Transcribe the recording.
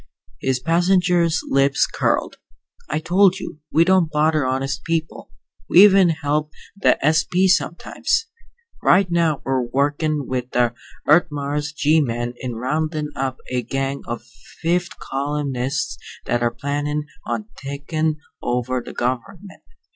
His passenger's lips curled. "I told you, we don't bother honest people. We even help the S.P. sometimes. Right now we're workin' with the Earth Mars G men in roundin' up a gang of fifth columnists that are plannin' on takin' over the gov'ment.